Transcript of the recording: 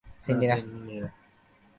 না, সিন্ডি না!